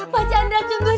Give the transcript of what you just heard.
pacar chandra cunggu